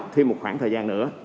thêm một khoảng thời gian nữa